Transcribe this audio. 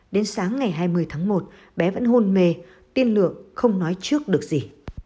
đến sáng ngày hai mươi tháng một bé vẫn hôn mê tin lượng không nói trước được gì